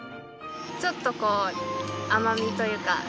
ちょっとこう甘みというか。